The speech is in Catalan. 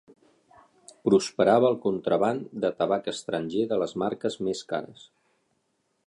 Prosperava el contraban de tabac estranger de les marques més cares